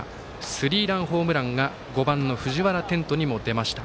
スリーランホームランが５番の藤原天斗にも出ました。